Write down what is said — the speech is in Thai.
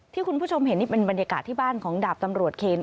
คุณผู้ชมเห็นนี่เป็นบรรยากาศที่บ้านของดาบตำรวจเคน